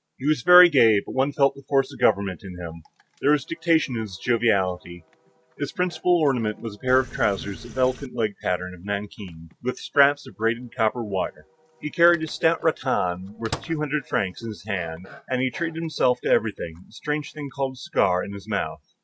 He was very gay, but one felt the force of government in him; there was dictation in his joviality; his principal ornament was a pair of trousers of elephant leg pattern of nankeen, with straps of braided copper wire; he carried a stout rattan worth two hundred francs in his hand, and, as he treated himself to everything, a strange thing called a cigar in his mouth.